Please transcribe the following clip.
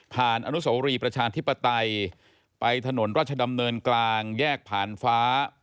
อนุโสรีประชาธิปไตยไปถนนราชดำเนินกลางแยกผ่านฟ้า